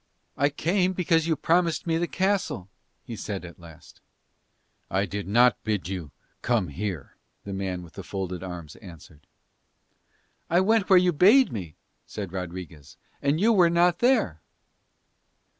"I came because you promised me the castle," he said at last. "I did not bid you come here," the man with the folded arms answered. "I went where you bade me," said Rodriguez, "and you were not there."